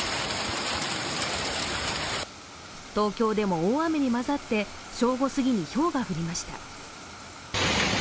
東京でも大雨にまざって正午すぎにひょうが降りました。